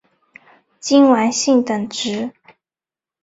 金丸信等职。